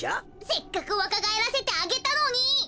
せっかくわかがえらせてあげたのに！